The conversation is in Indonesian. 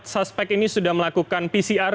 dua puluh empat suspek ini sudah melakukan pcr